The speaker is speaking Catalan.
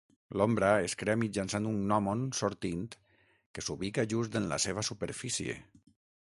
L'ombra es crea mitjançant un gnòmon sortint que s'ubica just en la seva superfície.